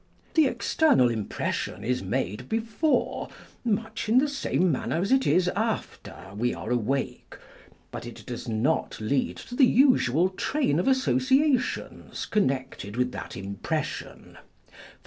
The external impression is made before, much in the same manner as it is after we are awake ; but it does not lead to the usual train of associations connected with that impression ; e.